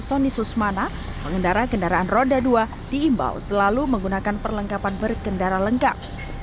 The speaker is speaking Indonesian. soni susmana pengendara kendaraan roda dua diimbau selalu menggunakan perlengkapan berkendara lengkap